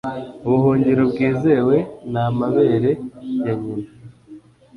ubuhungiro bwizewe ni amabere ya nyina